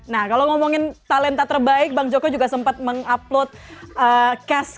nah kalau ngomongin talenta terbaik bang joko juga sempat mengupload cash